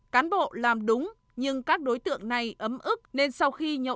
cán bộ làm đúng nhưng các đối tượng này ấm ức nên sau khi nhậu xỉn đã tìm đến chốt kiểm dịch gây sự